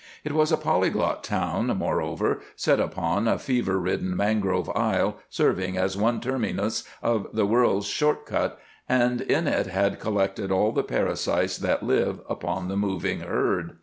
It was a polyglot town, moreover, set upon a fever ridden mangrove isle serving as one terminus of the world's short cut, and in it had collected all the parasites that live upon the moving herd.